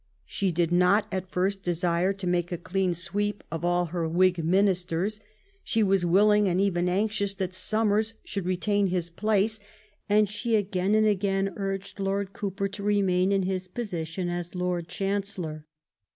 She did not at first desire to make a clean sweep of all her Whig ministers. She was willing and even anxious that Somers should retain his place, and she again and again urged Lord Cowper to re main in his position as Lord Chancellor.